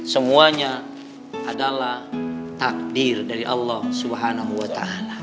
semuanya adalah takdir dari allah swt